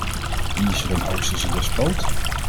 Wie is er een oosterse despoot?